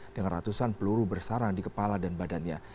dengan ratusan peluru bersarang di kepala dan badannya